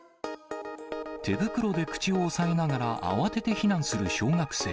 手袋で口を押さえながら慌てて避難する小学生。